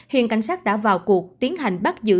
hiện cảnh sát đã vào cuộc tiến hành bắt giữ